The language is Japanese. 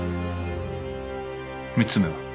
３つ目は？